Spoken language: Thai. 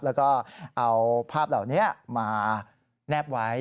แล้วก็เอาภาพเหล่านี้มาแนบไว้